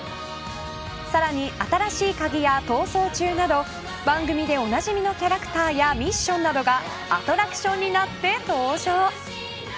さらに、新しいカギや逃走中など番組でおなじみのキャラクターやミッションなどがアトラクションになって登場。